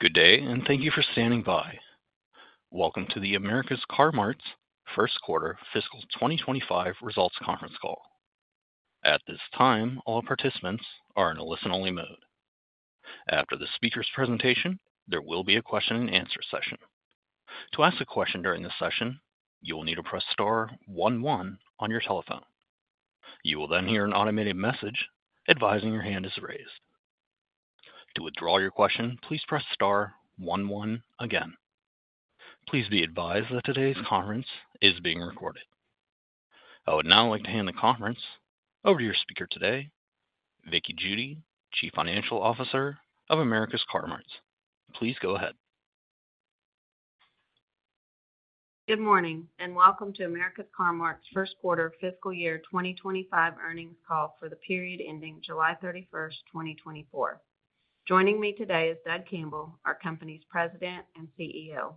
Good day, and thank you for standing by. Welcome to the America's Car-Mart's first quarter fiscal twenty twenty-five results conference call. At this time, all participants are in a listen-only mode. After the speaker's presentation, there will be a question-and-answer session. To ask a question during this session, you will need to press star one one on your telephone. You will then hear an automated message advising your hand is raised. To withdraw your question, please press star one one again. Please be advised that today's conference is being recorded. I would now like to hand the conference over to your speaker today, Vickie Judy, Chief Financial Officer of America's Car-Mart. Please go ahead. Good morning, and welcome to America's Car-Mart's first quarter fiscal year twenty twenty-five earnings call for the period ending July thirty-first, twenty twenty-four. Joining me today is Doug Campbell, our company's President and CEO.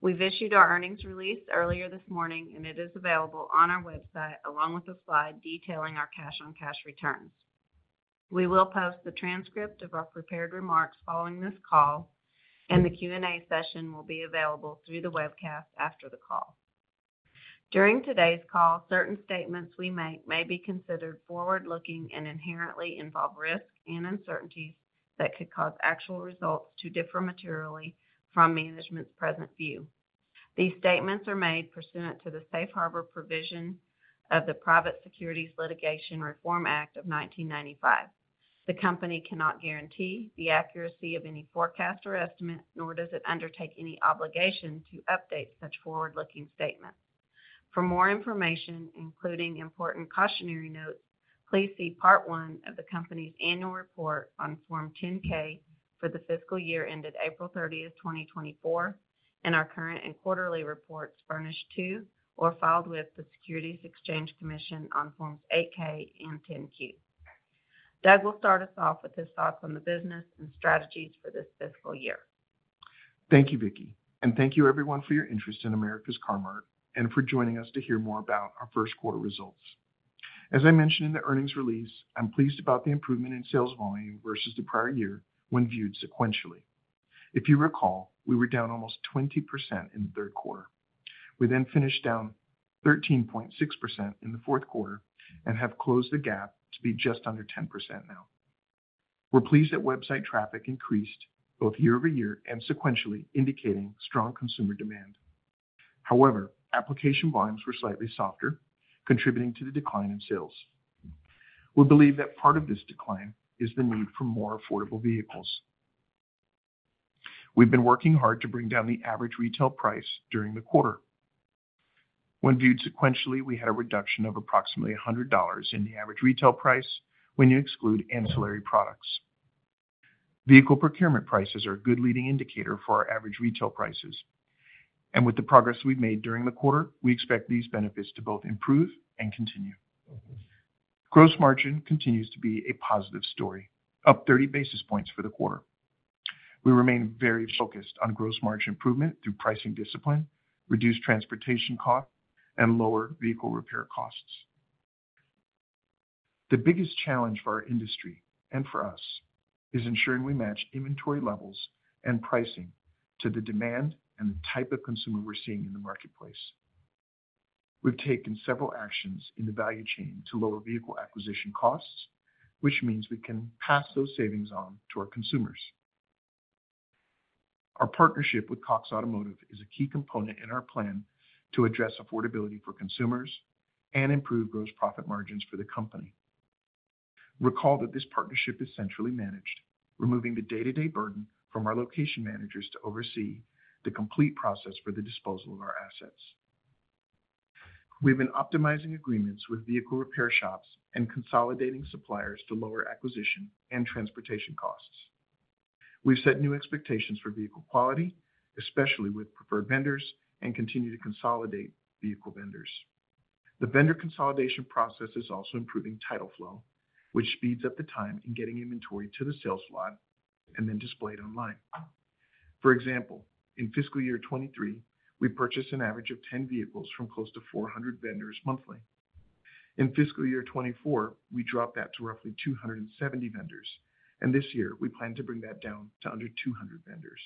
We've issued our earnings release earlier this morning, and it is available on our website, along with a slide detailing our cash-on-cash returns. We will post the transcript of our prepared remarks following this call, and the Q&A session will be available through the webcast after the call. During today's call, certain statements we make may be considered forward-looking and inherently involve risks and uncertainties that could cause actual results to differ materially from management's present view. These statements are made pursuant to the Safe Harbor provision of the Private Securities Litigation Reform Act of nineteen ninety-five. The company cannot guarantee the accuracy of any forecast or estimate, nor does it undertake any obligation to update such forward-looking statements. For more information, including important cautionary notes, please see Part One of the company's Annual Report on Form 10-K for the fiscal year ended April thirtieth, twenty twenty-four, and our current and quarterly reports furnished to or filed with the Securities and Exchange Commission on Forms 8-K and 10-Q. Doug will start us off with his thoughts on the business and strategies for this fiscal year. Thank you, Vickie, and thank you everyone for your interest in America's Car-Mart and for joining us to hear more about our first quarter results. As I mentioned in the earnings release, I'm pleased about the improvement in sales volume versus the prior year when viewed sequentially. If you recall, we were down almost 20% in the third quarter. We then finished down 13.6% in the fourth quarter and have closed the gap to be just under 10% now. We're pleased that website traffic increased both year over year and sequentially, indicating strong consumer demand. However, application volumes were slightly softer, contributing to the decline in sales. We believe that part of this decline is the need for more affordable vehicles. We've been working hard to bring down the average retail price during the quarter. When viewed sequentially, we had a reduction of approximately $100 in the average retail price when you exclude ancillary products. Vehicle procurement prices are a good leading indicator for our average retail prices, and with the progress we've made during the quarter, we expect these benefits to both improve and continue. Gross margin continues to be a positive story, up 30 basis points for the quarter. We remain very focused on gross margin improvement through pricing discipline, reduced transportation costs, and lower vehicle repair costs. The biggest challenge for our industry and for us is ensuring we match inventory levels and pricing to the demand and the type of consumer we're seeing in the marketplace. We've taken several actions in the value chain to lower vehicle acquisition costs, which means we can pass those savings on to our consumers. Our partnership with Cox Automotive is a key component in our plan to address affordability for consumers and improve gross profit margins for the company. Recall that this partnership is centrally managed, removing the day-to-day burden from our location managers to oversee the complete process for the disposal of our assets. We've been optimizing agreements with vehicle repair shops and consolidating suppliers to lower acquisition and transportation costs. We've set new expectations for vehicle quality, especially with preferred vendors, and continue to consolidate vehicle vendors. The vendor consolidation process is also improving title flow, which speeds up the time in getting inventory to the sales lot and then displayed online. For example, in fiscal year 2023, we purchased an average of 10 vehicles from close to 400 vendors monthly. In fiscal year twenty-four, we dropped that to roughly two hundred and seventy vendors, and this year we plan to bring that down to under two hundred vendors.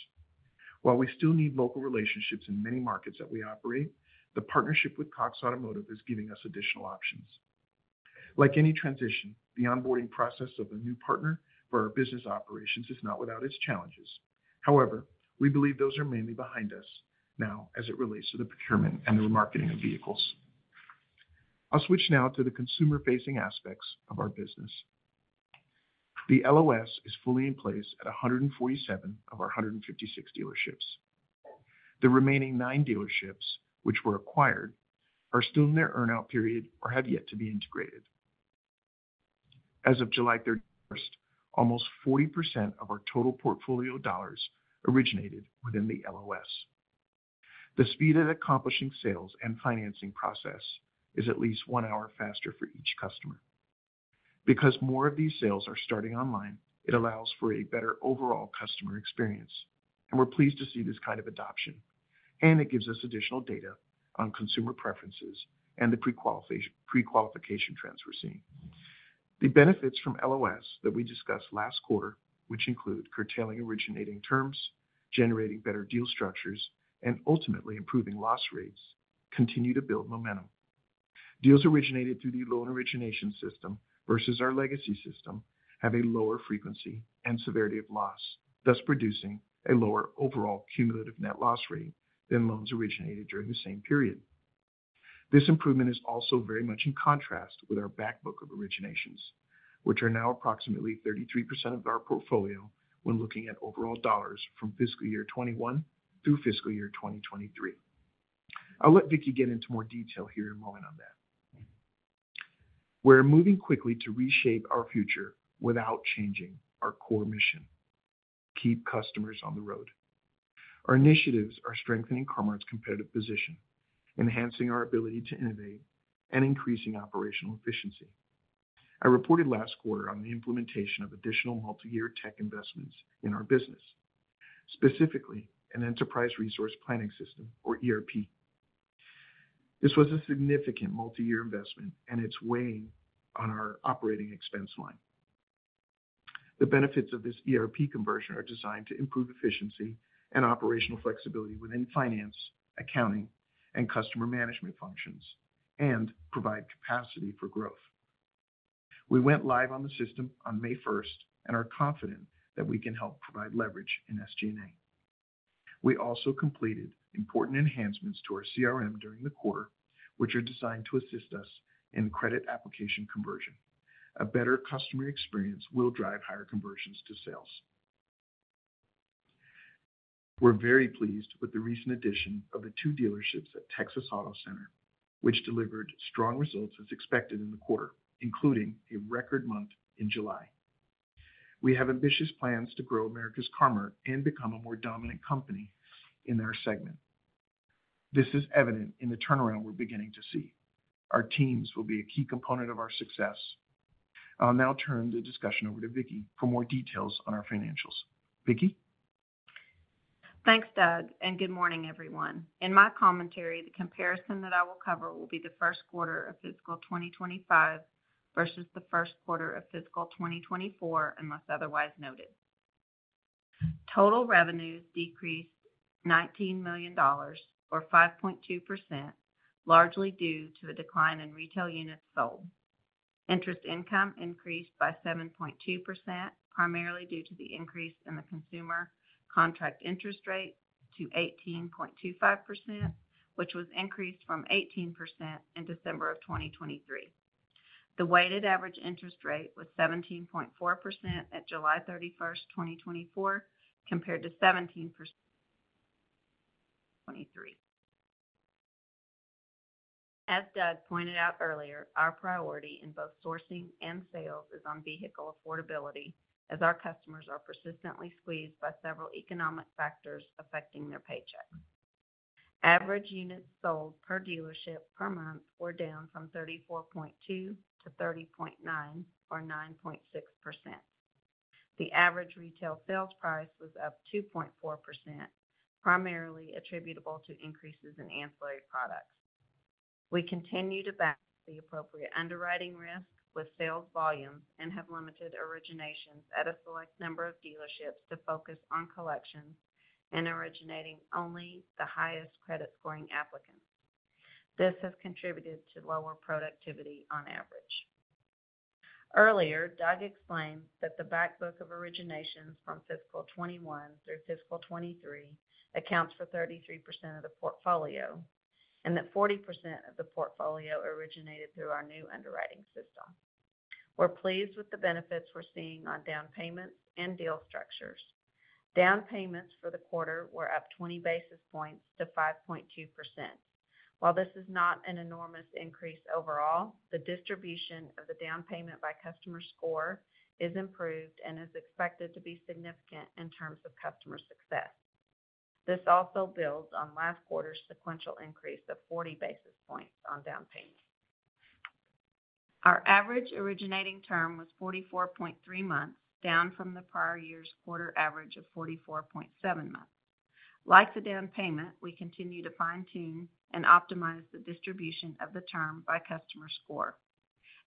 While we still need local relationships in many markets that we operate, the partnership with Cox Automotive is giving us additional options. Like any transition, the onboarding process of a new partner for our business operations is not without its challenges. However, we believe those are mainly behind us now as it relates to the procurement and the remarketing of vehicles. I'll switch now to the consumer-facing aspects of our business. The LOS is fully in place at a hundred and forty-seven of our hundred and fifty-six dealerships. The remaining nine dealerships, which were acquired, are still in their earn-out period or have yet to be integrated. As of July thirty-first, almost 40% of our total portfolio dollars originated within the LOS. The speed at accomplishing sales and financing process is at least one hour faster for each customer. Because more of these sales are starting online, it allows for a better overall customer experience, and we're pleased to see this kind of adoption, and it gives us additional data on consumer preferences and the pre-qualification, pre-qualification trends we're seeing. The benefits from LOS that we discussed last quarter, which include curtailing originating terms, generating better deal structures, and ultimately improving loss rates, continue to build momentum. Deals originated through the loan origination system versus our legacy system have a lower frequency and severity of loss, thus producing a lower overall cumulative net loss rate than loans originated during the same period. This improvement is also very much in contrast with our back book of originations, which are now approximately 33% of our portfolio when looking at overall dollars from fiscal year 2021 through fiscal year 2023. I'll let Vickie get into more detail here in a moment on that. We're moving quickly to reshape our future without changing our core mission: keep customers on the road. Our initiatives are strengthening Car-Mart's competitive position, enhancing our ability to innovate, and increasing operational efficiency. I reported last quarter on the implementation of additional multi-year tech investments in our business, specifically an enterprise resource planning system, or ERP. This was a significant multi-year investment, and it's weighing on our operating expense line. The benefits of this ERP conversion are designed to improve efficiency and operational flexibility within finance, accounting, and customer management functions, and provide capacity for growth. We went live on the system on May first and are confident that we can help provide leverage in SG&A. We also completed important enhancements to our CRM during the quarter, which are designed to assist us in credit application conversion. A better customer experience will drive higher conversions to sales. We're very pleased with the recent addition of the two dealerships at Texas Auto Center, which delivered strong results as expected in the quarter, including a record month in July. We have ambitious plans to grow America's Car-Mart and become a more dominant company in our segment. This is evident in the turnaround we're beginning to see. Our teams will be a key component of our success. I'll now turn the discussion over to Vickie for more details on our financials. Vickie? Thanks, Doug, and good morning, everyone. In my commentary, the comparison that I will cover will be the first quarter of fiscal 2025 versus the first quarter of fiscal 2024, unless otherwise noted. Total revenues decreased $19 million or 5.2%, largely due to a decline in retail units sold. Interest income increased by 7.2%, primarily due to the increase in the consumer contract interest rate to 18.25%, which was increased from 18% in December 2023. The weighted average interest rate was 17.4% at July 31, 2024, compared to 17%, 2023. As Doug pointed out earlier, our priority in both sourcing and sales is on vehicle affordability, as our customers are persistently squeezed by several economic factors affecting their paychecks. Average units sold per dealership per month were down from 34.2 to 30.9 or 9.6%. The average retail sales price was up 2.4%, primarily attributable to increases in ancillary products. We continue to back the appropriate underwriting risk with sales volumes and have limited originations at a select number of dealerships to focus on collections and originating only the highest credit scoring applicants. This has contributed to lower productivity on average. Earlier, Doug explained that the back book of originations from fiscal 2021 through fiscal 2023 accounts for 33% of the portfolio, and that 40% of the portfolio originated through our new underwriting system. We're pleased with the benefits we're seeing on down payments and deal structures. Down payments for the quarter were up 20 basis points to 5.2%. While this is not an enormous increase overall, the distribution of the down payment by customer score is improved and is expected to be significant in terms of customer success. This also builds on last quarter's sequential increase of 40 basis points on down payments. Our average originating term was 44.3 months, down from the prior year's quarter average of 44.7 months. Like the down payment, we continue to fine-tune and optimize the distribution of the term by customer score.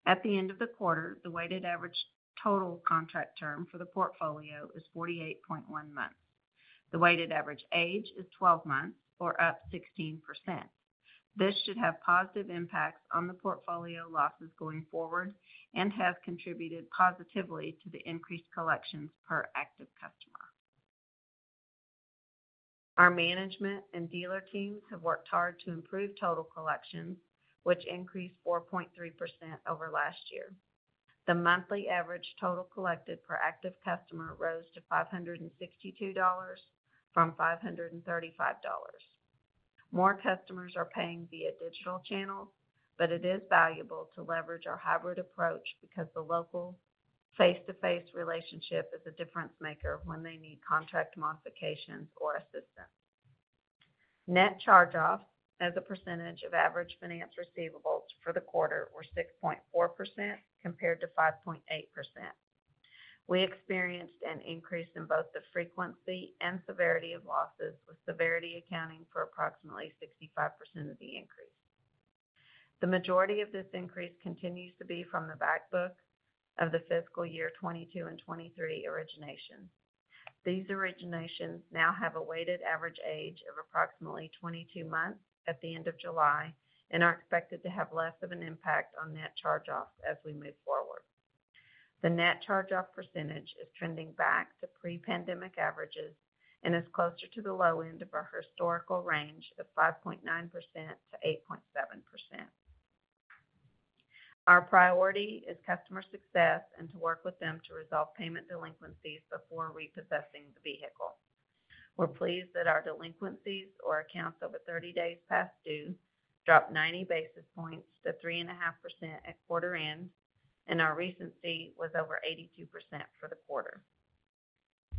At the end of the quarter, the weighted average total contract term for the portfolio is 48.1 months. The weighted average age is 12 months or up 16%. This should have positive impacts on the portfolio losses going forward and have contributed positively to the increased collections per active customer. Our management and dealer teams have worked hard to improve total collections, which increased 4.3% over last year. The monthly average total collected per active customer rose to $562 from $535. More customers are paying via digital channels, but it is valuable to leverage our hybrid approach because the local face-to-face relationship is a difference maker when they need contract modifications or assistance. Net charge-offs as a percentage of average finance receivables for the quarter were 6.4% compared to 5.8%. We experienced an increase in both the frequency and severity of losses, with severity accounting for approximately 65% of the increase. The majority of this increase continues to be from the back book of the fiscal year 2022 and 2023 origination. These originations now have a weighted average age of approximately 22 months at the end of July, and are expected to have less of an impact on net charge-offs as we move forward. The net charge-off percentage is trending back to pre-pandemic averages and is closer to the low end of our historical range of 5.9%-8.7%. Our priority is customer success and to work with them to resolve payment delinquencies before repossessing the vehicle. We're pleased that our delinquencies or accounts over 30 days past due dropped 90 basis points to 3.5% at quarter end, and our recency was over 82% for the quarter.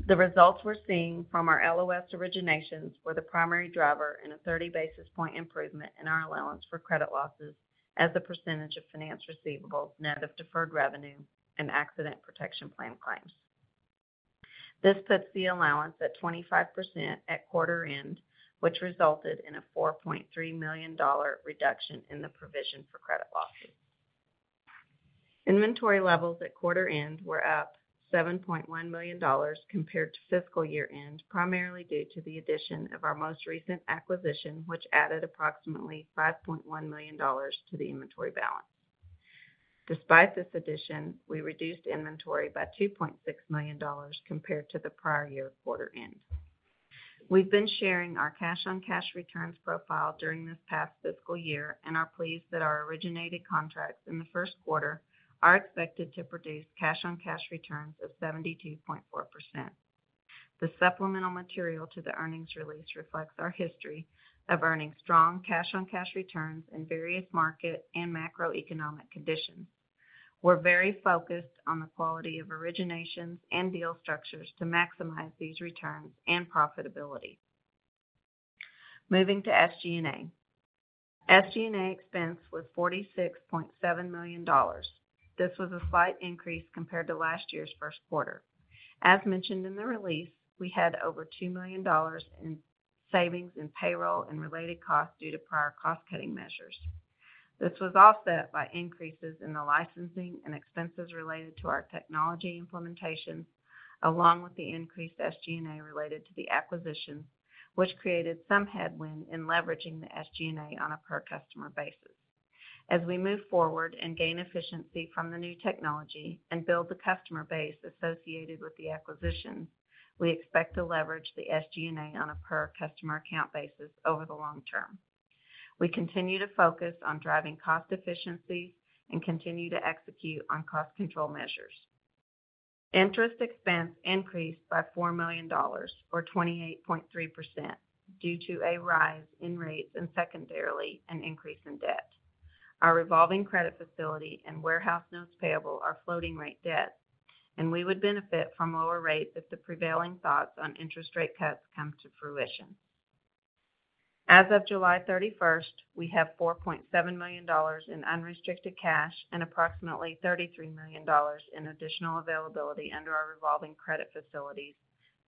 The results we're seeing from our LOS originations were the primary driver in a 30 basis point improvement in our allowance for credit losses as a percentage of finance receivables, net of deferred revenue and Accident Protection Plan claims. This puts the allowance at 25% at quarter end, which resulted in a $4.3 million reduction in the provision for credit losses. Inventory levels at quarter end were up $7.1 million compared to fiscal year-end, primarily due to the addition of our most recent acquisition, which added approximately $5.1 million to the inventory balance. Despite this addition, we reduced inventory by $2.6 million compared to the prior year quarter end. We've been sharing our cash-on-cash returns profile during this past fiscal year, and are pleased that our originated contracts in the first quarter are expected to produce cash-on-cash returns of 72.4%. The supplemental material to the earnings release reflects our history of earning strong cash-on-cash returns in various market and macroeconomic conditions. We're very focused on the quality of originations and deal structures to maximize these returns and profitability. Moving to SG&A. SG&A expense was $46.7 million. This was a slight increase compared to last year's first quarter. As mentioned in the release, we had over $2 million in savings in payroll and related costs due to prior cost-cutting measures. This was offset by increases in the licensing and expenses related to our technology implementations, along with the increased SG&A related to the acquisition, which created some headwind in leveraging the SG&A on a per customer basis. As we move forward and gain efficiency from the new technology and build the customer base associated with the acquisition, we expect to leverage the SG&A on a per customer account basis over the long term. We continue to focus on driving cost efficiency and continue to execute on cost control measures. Interest expense increased by $4 million or 28.3%, due to a rise in rates and secondarily, an increase in debt. Our revolving credit facility and warehouse notes payable are floating rate debt, and we would benefit from lower rates if the prevailing thoughts on interest rate cuts come to fruition. As of July thirty-first, we have $4.7 million in unrestricted cash and approximately $33 million in additional availability under our revolving credit facilities,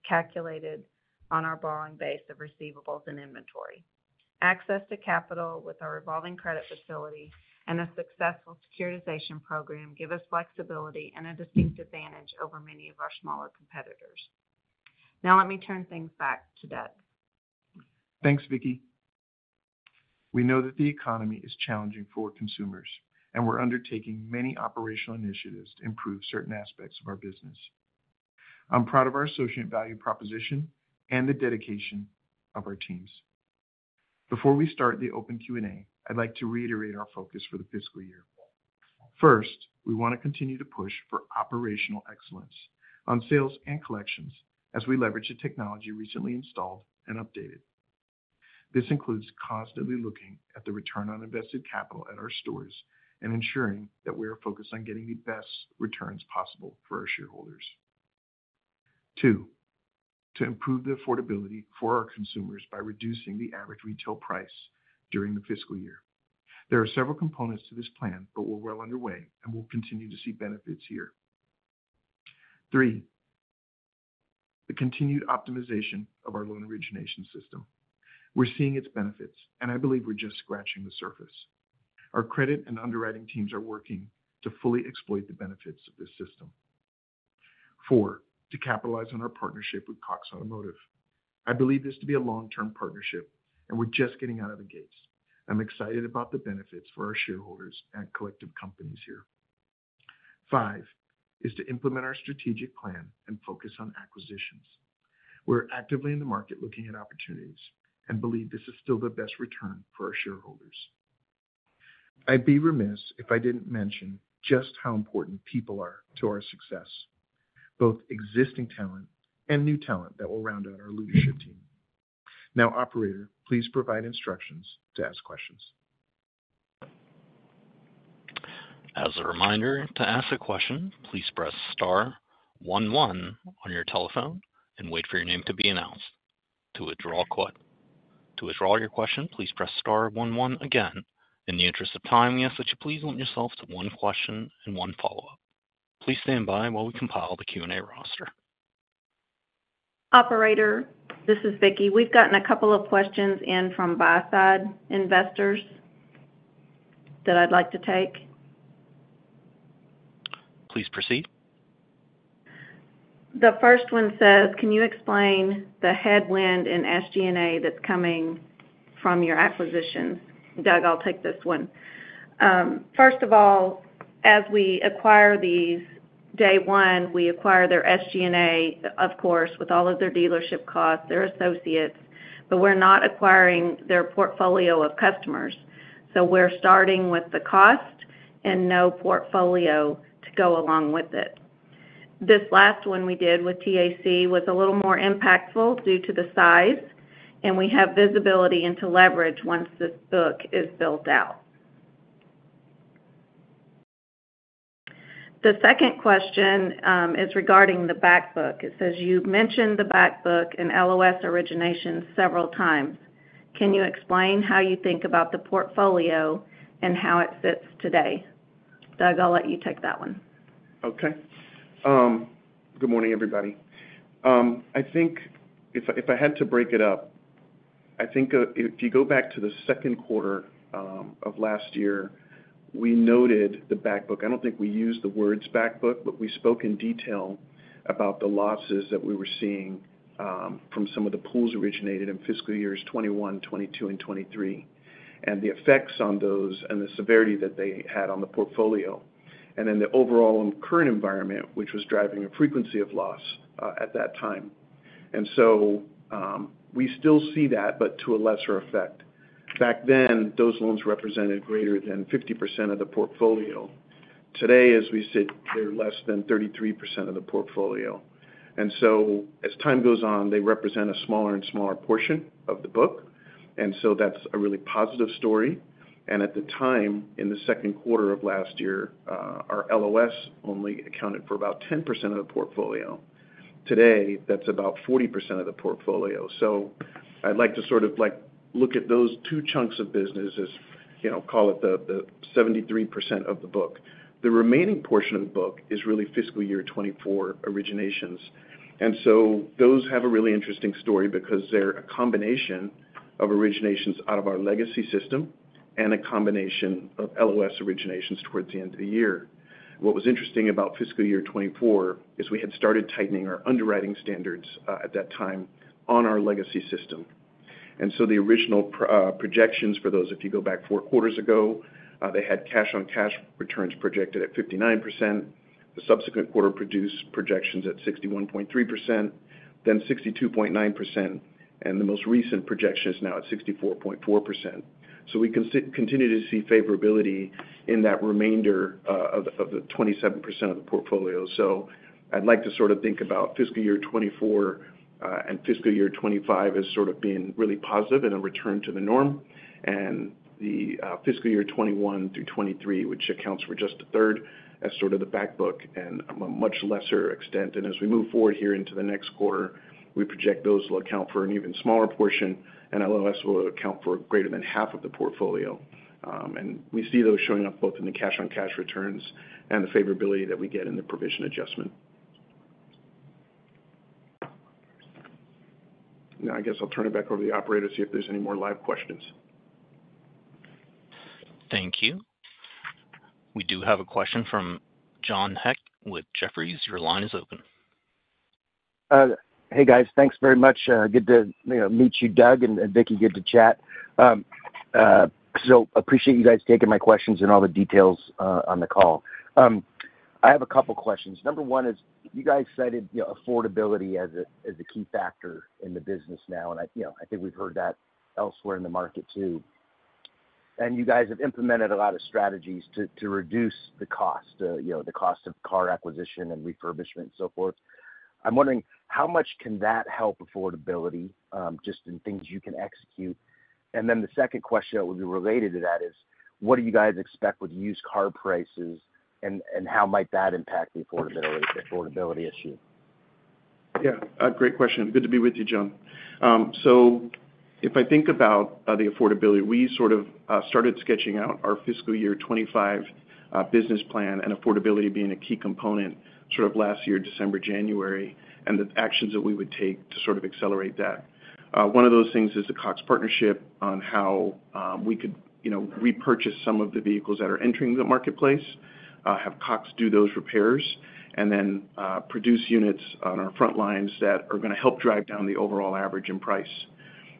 calculated on our borrowing base of receivables and inventory. Access to capital with our revolving credit facility and a successful securitization program give us flexibility and a distinct advantage over many of our smaller competitors. Now, let me turn things back to Doug. Thanks, Vickie. We know that the economy is challenging for consumers, and we're undertaking many operational initiatives to improve certain aspects of our business. I'm proud of our associate value proposition and the dedication of our teams. Before we start the open Q&A, I'd like to reiterate our focus for the fiscal year. First, we want to continue to push for operational excellence on sales and collections as we leverage the technology recently installed and updated. This includes constantly looking at the return on invested capital at our stores and ensuring that we are focused on getting the best returns possible for our shareholders. Two, to improve the affordability for our consumers by reducing the average retail price during the fiscal year. There are several components to this plan, but we're well underway, and we'll continue to see benefits here. Three, the continued optimization of our loan origination system. We're seeing its benefits, and I believe we're just scratching the surface. Our credit and underwriting teams are working to fully exploit the benefits of this system. Four, to capitalize on our partnership with Cox Automotive. I believe this to be a long-term partnership, and we're just getting out of the gates. I'm excited about the benefits for our shareholders and collective companies here. Five, is to implement our strategic plan and focus on acquisitions. We're actively in the market looking at opportunities and believe this is still the best return for our shareholders. I'd be remiss if I didn't mention just how important people are to our success, both existing talent and new talent that will round out our leadership team. Now, operator, please provide instructions to ask questions. As a reminder, to ask a question, please press star one, one on your telephone and wait for your name to be announced. To withdraw a que--... To withdraw your question, please press star one one again. In the interest of time, we ask that you please limit yourself to one question and one follow-up. Please stand by while we compile the Q&A roster. Operator, this is Vickie. We've gotten a couple of questions in from buy-side investors that I'd like to take. Please proceed. The first one says: Can you explain the headwind in SG&A that's coming from your acquisitions? Doug, I'll take this one. First of all, as we acquire these, day one, we acquire their SG&A, of course, with all of their dealership costs, their associates, but we're not acquiring their portfolio of customers. So we're starting with the cost and no portfolio to go along with it. This last one we did with TAC was a little more impactful due to the size, and we have visibility into leverage once this book is built out. The second question is regarding the backbook. It says, "You've mentioned the backbook in LOS origination several times. Can you explain how you think about the portfolio and how it fits today?" Doug, I'll let you take that one. Okay. Good morning, everybody. I think if I had to break it up, I think if you go back to the second quarter of last year, we noted the back book. I don't think we used the words back book, but we spoke in detail about the losses that we were seeing from some of the pools originated in fiscal years 2021, 2022, and 2023, and the effects on those and the severity that they had on the portfolio, and then the overall current environment, which was driving a frequency of loss at that time. So we still see that, but to a lesser effect. Back then, those loans represented greater than 50% of the portfolio. Today, as we sit, they're less than 33% of the portfolio. And so as time goes on, they represent a smaller and smaller portion of the book, and so that's a really positive story. And at the time, in the second quarter of last year, our LOS only accounted for about 10% of the portfolio. Today, that's about 40% of the portfolio. So I'd like to sort of, like, look at those two chunks of business as, you know, call it the 73% of the book. The remaining portion of the book is really fiscal year twenty-four originations. And so those have a really interesting story because they're a combination of originations out of our legacy system and a combination of LOS originations towards the end of the year. What was interesting about fiscal year twenty-four is we had started tightening our underwriting standards at that time on our legacy system. So the original projections for those, if you go back four quarters ago, they had cash-on-cash returns projected at 59%. The subsequent quarter produced projections at 61.3%, then 62.9%, and the most recent projection is now at 64.4%. So we continue to see favorability in that remainder of the 27% of the portfolio. So I'd like to sort of think about fiscal year 2024 and fiscal year 2025 as sort of being really positive and a return to the norm. And the fiscal year 2021 through 2023, which accounts for just a third as sort of the backbook and a much lesser extent. And as we move forward here into the next quarter, we project those will account for an even smaller portion, and LOS will account for greater than half of the portfolio. And we see those showing up both in the cash-on-cash returns and the favorability that we get in the provision adjustment. Now, I guess I'll turn it back over to the operator to see if there's any more live questions. Thank you. We do have a question from John Hecht with Jefferies. Your line is open. Hey, guys, thanks very much. Good to, you know, meet you, Doug and Vickie, good to chat. So appreciate you guys taking my questions and all the details on the call. I have a couple questions. Number one is, you guys cited, you know, affordability as a key factor in the business now, and I, you know, I think we've heard that elsewhere in the market too. And you guys have implemented a lot of strategies to reduce the cost, you know, the cost of car acquisition and refurbishment and so forth. I'm wondering how much can that help affordability, just in things you can execute? And then the second question that would be related to that is, what do you guys expect with used car prices and how might that impact the affordability issue? Yeah, a great question. Good to be with you, John. So if I think about the affordability, we sort of started sketching out our fiscal year 2025 business plan and affordability being a key component sort of last year, December, January, and the actions that we would take to sort of accelerate that. One of those things is the Cox partnership on how we could, you know, repurchase some of the vehicles that are entering the marketplace, have Cox do those repairs, and then produce units on our front lines that are going to help drive down the overall average and price.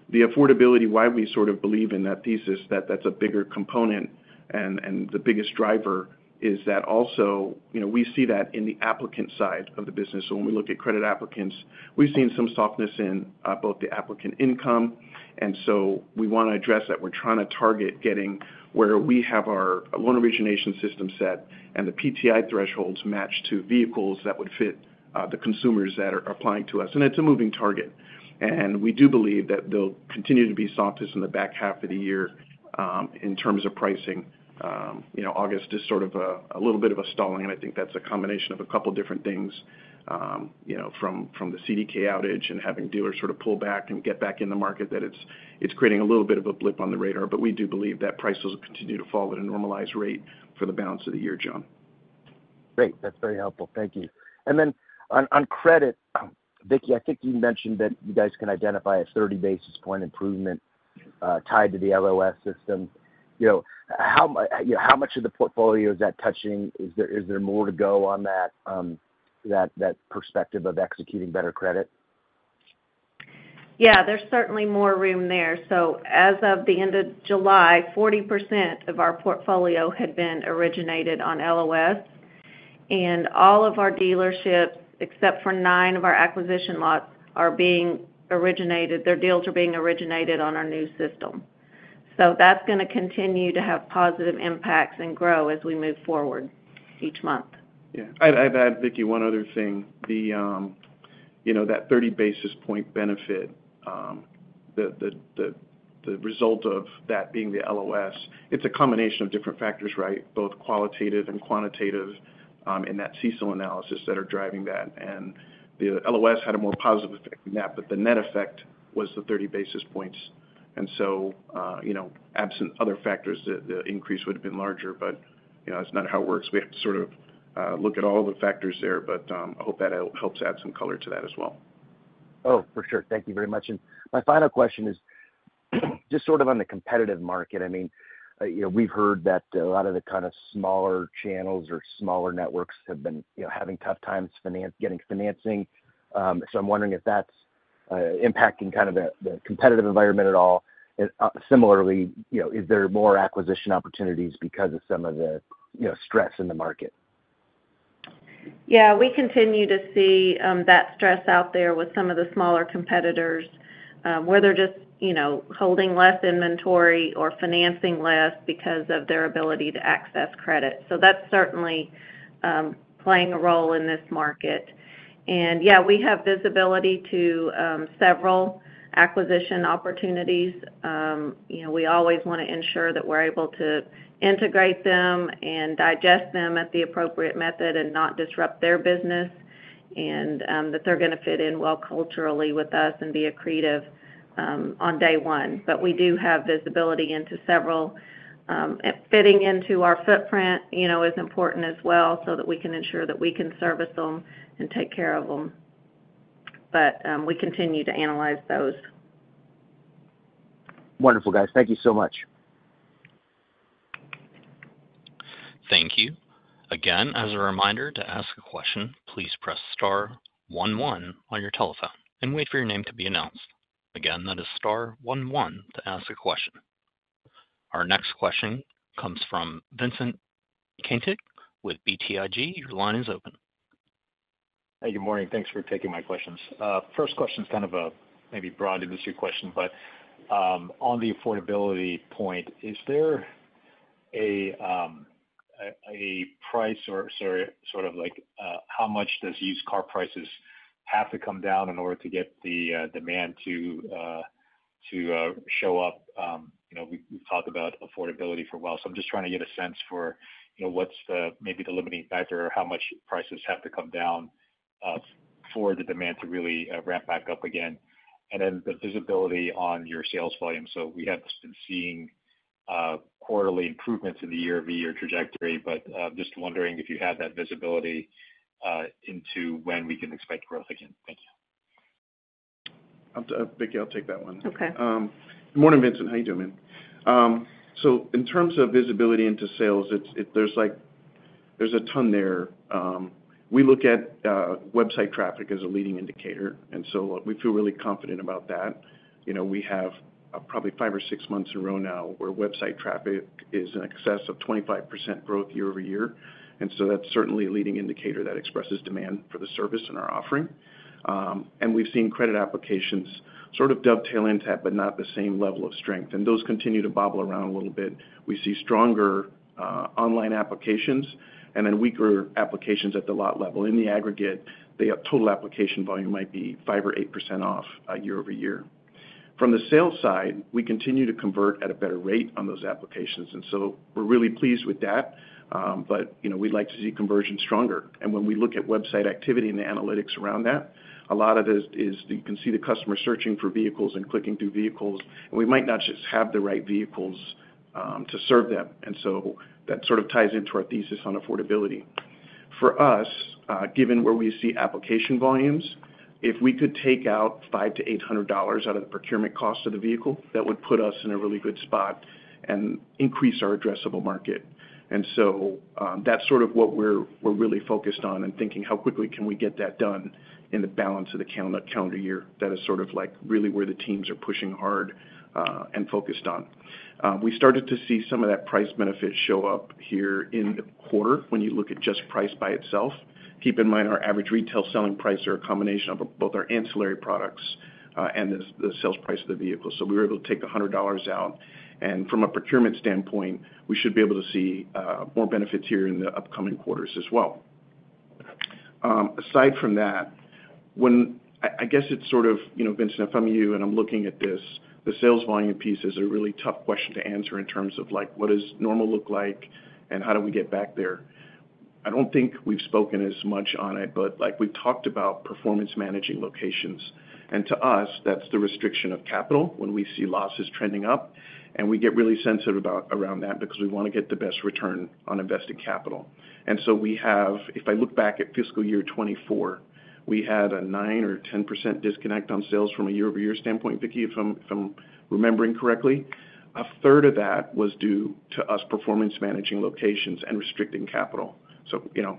The affordability, why we sort of believe in that thesis, that that's a bigger component and the biggest driver is that also, you know, we see that in the applicant side of the business. So when we look at credit applicants, we've seen some softness in both the applicant income, and so we want to address that. We're trying to target getting where we have our loan origination system set and the PTI thresholds matched to vehicles that would fit the consumers that are applying to us. And it's a moving target. And we do believe that there'll continue to be softness in the back half of the year in terms of pricing. You know, August is sort of a little bit of a stalling, and I think that's a combination of a couple different things, you know, from the CDK outage and having dealers sort of pull back and get back in the market, that it's creating a little bit of a blip on the radar. But we do believe that prices will continue to fall at a normalized rate for the balance of the year, John. Great. That's very helpful. Thank you. And then on credit, Vickie, I think you mentioned that you guys can identify a thirty basis point improvement tied to the LOS system. You know, how much of the portfolio is that touching? Is there more to go on that perspective of executing better credit? Yeah, there's certainly more room there. So as of the end of July, 40% of our portfolio had been originated on LOS, and all of our dealerships, except for nine of our acquisition lots, are being originated. Their deals are being originated on our new system. So that's going to continue to have positive impacts and grow as we move forward each month. Yeah. I'd add, Vickie, one other thing. You know, that 30 basis point benefit, the result of that being the LOS, it's a combination of different factors, right? Both qualitative and quantitative, in that CECL analysis that are driving that. And the LOS had a more positive effect than that, but the net effect was the 30 basis points. And so, you know, absent other factors, the increase would have been larger, but, you know, that's not how it works. We have to sort of look at all the factors there, but I hope that helps add some color to that as well. Oh, for sure. Thank you very much. And my final question is, just sort of on the competitive market. I mean, you know, we've heard that a lot of the kind of smaller channels or smaller networks have been, you know, having tough times getting financing. So I'm wondering if that's impacting kind of the competitive environment at all. And, similarly, you know, is there more acquisition opportunities because of some of the, you know, stress in the market? Yeah, we continue to see that stress out there with some of the smaller competitors, where they're just, you know, holding less inventory or financing less because of their ability to access credit. So that's certainly playing a role in this market. And yeah, we have visibility to several acquisition opportunities. You know, we always want to ensure that we're able to integrate them and digest them at the appropriate method and not disrupt their business, and that they're going to fit in well culturally with us and be accretive on day one. But we do have visibility into several, fitting into our footprint, you know, is important as well, so that we can ensure that we can service them and take care of them. But we continue to analyze those. Wonderful, guys. Thank you so much. Thank you. Again, as a reminder, to ask a question, please press star one, one on your telephone and wait for your name to be announced. Again, that is star one, one to ask a question. Our next question comes from Vincent Caintic with BTIG. Your line is open. Hey, good morning. Thanks for taking my questions. First question is kind of a maybe broad industry question, but on the affordability point, is there a price or sort of sort of like how much does used car prices have to come down in order to get the demand to show up? You know, we've talked about affordability for a while, so I'm just trying to get a sense for, you know, what's the maybe the limiting factor or how much prices have to come down for the demand to really ramp back up again? And then the visibility on your sales volume. So we have been seeing quarterly improvements in the year-over-year trajectory, but just wondering if you have that visibility into when we can expect growth again. Thank you. I'll, Vickie, I'll take that one. Okay. Good morning, Vincent. How you doing, man? So in terms of visibility into sales, there's a ton there. We look at website traffic as a leading indicator, and so we feel really confident about that. You know, we have probably five or six months in a row now, where website traffic is in excess of 25% growth year over year. That's certainly a leading indicator that expresses demand for the service and our offering. We've seen credit applications sort of dovetail into that, but not the same level of strength, and those continue to bobble around a little bit. We see stronger online applications and then weaker applications at the lot level. In the aggregate, the total application volume might be 5% or 8% off year-over-year. From the sales side, we continue to convert at a better rate on those applications, and so we're really pleased with that, but, you know, we'd like to see conversion stronger, and when we look at website activity and the analytics around that, a lot of it is, you can see the customer searching for vehicles and clicking through vehicles, and we might not just have the right vehicles to serve them, and so that sort of ties into our thesis on affordability. For us, given where we see application volumes, if we could take out $500-$800 out of the procurement cost of the vehicle, that would put us in a really good spot and increase our addressable market. And so, that's sort of what we're really focused on and thinking, how quickly can we get that done in the balance of the calendar year? That is sort of like really where the teams are pushing hard and focused on. We started to see some of that price benefit show up here in the quarter when you look at just price by itself. Keep in mind, our average retail selling price are a combination of both our ancillary products and the sales price of the vehicle. So we were able to take $100 out, and from a procurement standpoint, we should be able to see more benefits here in the upcoming quarters as well. Aside from that, when... I guess it's sort of, you know, Vincent, if I'm you and I'm looking at this, the sales volume piece is a really tough question to answer in terms of like, what does normal look like and how do we get back there? I don't think we've spoken as much on it, but like we've talked about performance managing locations. And to us, that's the restriction of capital when we see losses trending up, and we get really sensitive about around that because we want to get the best return on invested capital. And so we have if I look back at fiscal year 2024, we had a 9% or 10% disconnect on sales from a year-over-year standpoint, Vickie, if I'm remembering correctly. A third of that was due to us performance managing locations and restricting capital. So, you know,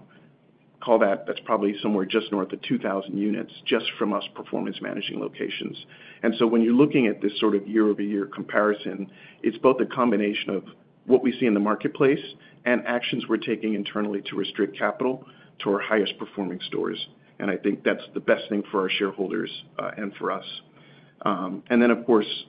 call that, that's probably somewhere just north of 2,000 units, just from us performance managing locations, and so when you're looking at this sort of year-over-year comparison, it's both a combination of what we see in the marketplace and actions we're taking internally to restrict capital to our highest-performing stores, and I think that's the best thing for our shareholders and for us, and then, of course,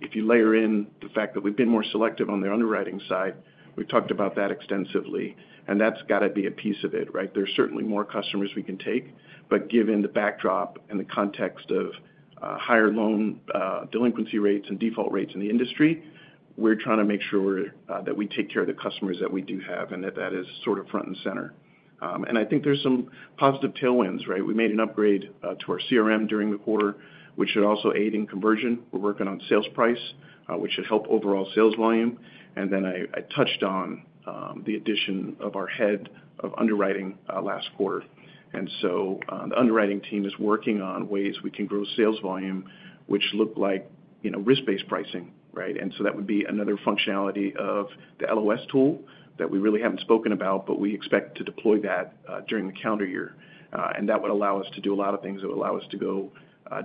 if you layer in the fact that we've been more selective on the underwriting side, we've talked about that extensively, and that's got to be a piece of it, right? There's certainly more customers we can take, but given the backdrop and the context of higher loan delinquency rates and default rates in the industry, we're trying to make sure that we take care of the customers that we do have, and that that is sort of front and center. And I think there's some positive tailwinds, right? We made an upgrade to our CRM during the quarter, which should also aid in conversion. We're working on sales price, which should help overall sales volume. And then I touched on the addition of our head of underwriting last quarter. And so, the underwriting team is working on ways we can grow sales volume, which look like, you know, risk-based pricing, right? And so that would be another functionality of the LOS tool that we really haven't spoken about, but we expect to deploy that during the calendar year. And that would allow us to do a lot of things. It would allow us to go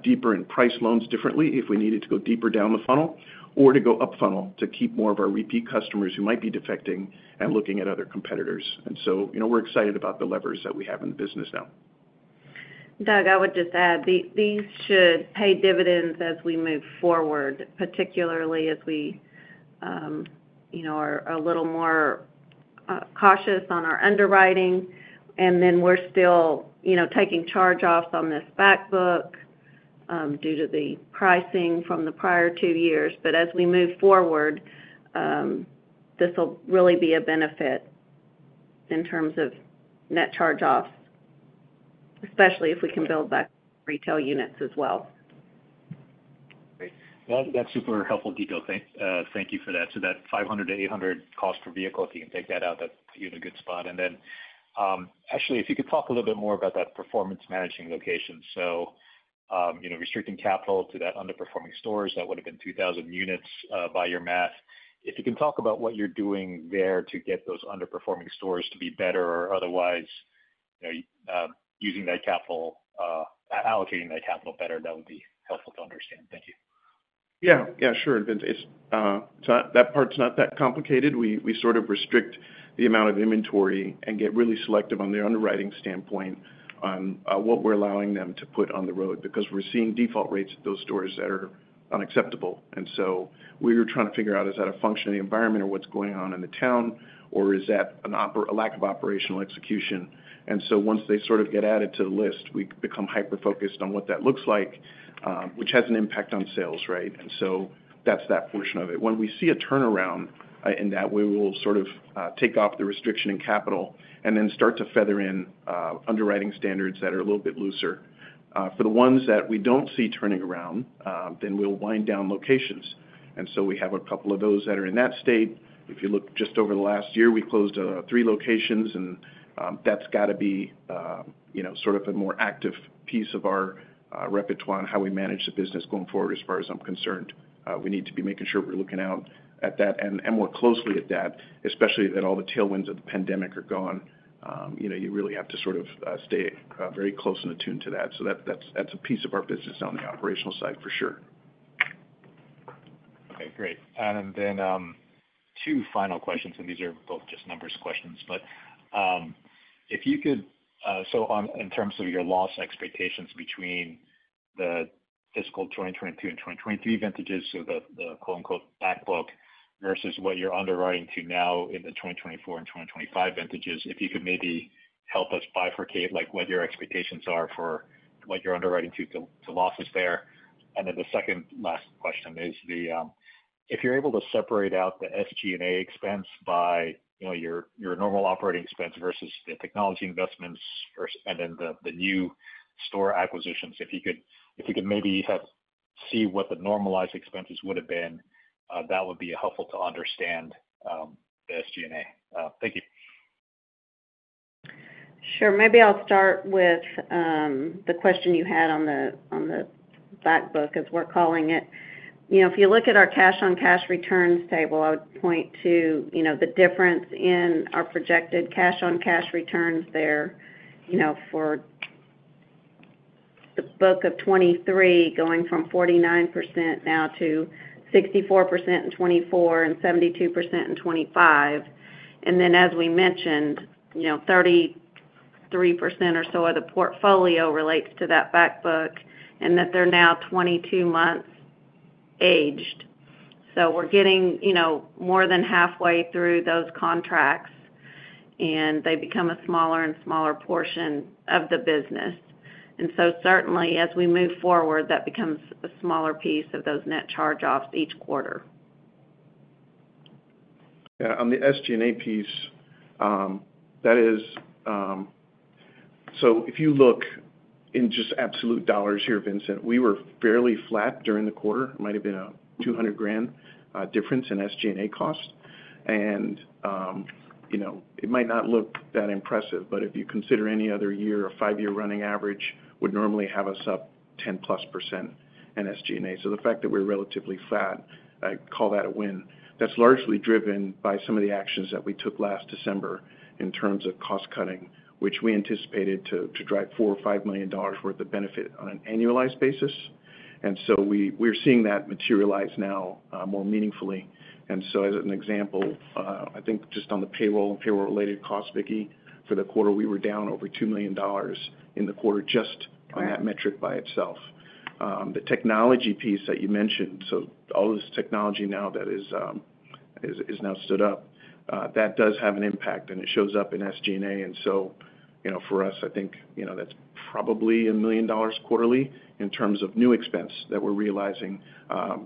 deeper and price loans differently if we needed to go deeper down the funnel, or to go up funnel to keep more of our repeat customers who might be defecting and looking at other competitors. And so, you know, we're excited about the levers that we have in the business now. Doug, I would just add, these should pay dividends as we move forward, particularly as we, you know, are a little more cautious on our underwriting, and then we're still, you know, taking charge-offs on this back book, due to the pricing from the prior two years. But as we move forward, this will really be a benefit in terms of net charge-offs, especially if we can build back retail units as well. Great. Well, that's super helpful detail. Thank, thank you for that. So that $500-$800 cost per vehicle, if you can take that out, that's put you in a good spot. And then, actually, if you could talk a little bit more about that performance managing location. So, you know, restricting capital to that underperforming stores, that would have been 2,000 units, by your math. If you can talk about what you're doing there to get those underperforming stores to be better or otherwise, you know, using that capital, allocating that capital better, that would be helpful to understand. Thank you. Yeah. Yeah, sure, Vince. It's not that part's not that complicated. We sort of restrict the amount of inventory and get really selective on the underwriting standpoint on what we're allowing them to put on the road, because we're seeing default rates at those stores that are unacceptable. And so we were trying to figure out, is that a function of the environment or what's going on in the town, or is that a lack of operational execution? And so once they sort of get added to the list, we become hyper-focused on what that looks like, which has an impact on sales, right? And so that's that portion of it. When we see a turnaround in that, we will sort of take off the restriction in capital and then start to feather in underwriting standards that are a little bit looser. For the ones that we don't see turning around, then we'll wind down locations. So we have a couple of those that are in that state. If you look just over the last year, we closed three locations, and that's got to be you know sort of a more active piece of our repertoire on how we manage the business going forward as far as I'm concerned. We need to be making sure we're looking out at that and more closely at that, especially that all the tailwinds of the pandemic are gone. You know, you really have to sort of stay very close and attuned to that. So that, that's a piece of our business on the operational side for sure. Okay, great. And then, two final questions, and these are both just numbers questions. But, if you could, so, in terms of your loss expectations between the fiscal 2022 and 2023 vintages, so the quote-unquote "backbook," versus what you're underwriting to now in the 2024 and 2025 vintages, if you could maybe help us bifurcate, like, what your expectations are for what you're underwriting to losses there. And then the second last question is, if you're able to separate out the SG&A expense by, you know, your normal operating expense versus the technology investments first, and then the new store acquisitions, if you could maybe help see what the normalized expenses would have been, that would be helpful to understand the SG&A. Thank you. Sure. Maybe I'll start with the question you had on the back book, as we're calling it. You know, if you look at our cash-on-cash returns table, I would point to, you know, the difference in our projected cash-on-cash returns there, you know, for the book of 2023, going from 49% now to 64% in 2024, and 72% in 2025. And then, as we mentioned, you know, 33% or so of the portfolio relates to that back book, and that they're now 22 months aged. So we're getting, you know, more than halfway through those contracts, and they become a smaller and smaller portion of the business. And so certainly, as we move forward, that becomes a smaller piece of those net charge-offs each quarter.... Yeah, on the SG&A piece, that is, so if you look in just absolute dollars here, Vincent, we were fairly flat during the quarter. It might have been a $200,000 difference in SG&A costs, and you know, it might not look that impressive, but if you consider any other year, a five-year running average would normally have us up 10% plus in SG&A, so the fact that we're relatively flat, I call that a win. That's largely driven by some of the actions that we took last December in terms of cost cutting, which we anticipated to drive $4 million-$5 million worth of benefit on an annualized basis, and so we're seeing that materialize now, more meaningfully. As an example, I think just on the payroll and payroll-related costs, Vickie, for the quarter, we were down over $2 million in the quarter just on that metric by itself. The technology piece that you mentioned, so all of this technology that is now stood up, that does have an impact, and it shows up in SG&A, and so, you know, for us, I think, you know, that's probably $1 million quarterly in terms of new expense that we're realizing.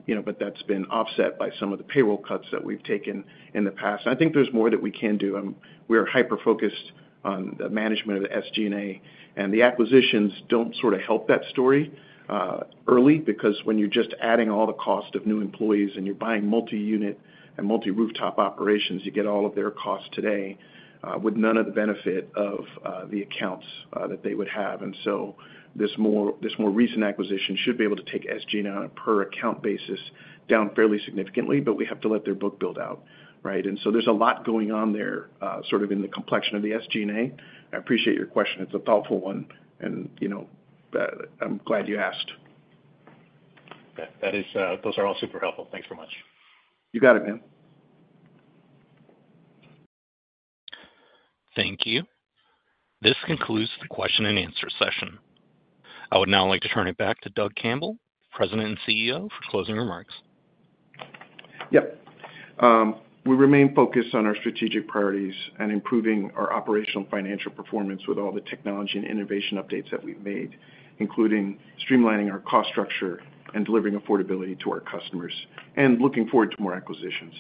You know, but that's been offset by some of the payroll cuts that we've taken in the past. I think there's more that we can do. We are hyper-focused on the management of the SG&A, and the acquisitions don't sort of help that story early, because when you're just adding all the cost of new employees and you're buying multi-unit and multi-rooftop operations, you get all of their costs today with none of the benefit of the accounts that they would have. And so this more recent acquisition should be able to take SG&A on a per account basis down fairly significantly, but we have to let their book build out, right? And so there's a lot going on there sort of in the complexion of the SG&A. I appreciate your question. It's a thoughtful one, and, you know, I'm glad you asked. Okay. That is, Those are all super helpful. Thanks very much. You got it, man. Thank you. This concludes the question and answer session. I would now like to turn it back to Doug Campbell, President and CEO, for closing remarks. Yep. We remain focused on our strategic priorities and improving our operational and financial performance with all the technology and innovation updates that we've made, including streamlining our cost structure and delivering affordability to our customers, and looking forward to more acquisitions.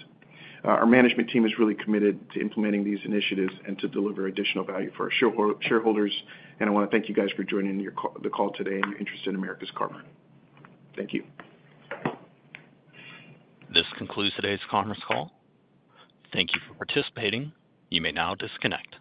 Our management team is really committed to implementing these initiatives and to deliver additional value for our shareholders, and I want to thank you guys for joining the call today and your interest in America's Car-Mart. Thank you. This concludes today's conference call. Thank you for participating. You may now disconnect.